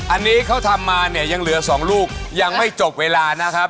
อันนี้เขาทำมาเนี่ยยังเหลือ๒ลูกยังไม่จบเวลานะครับ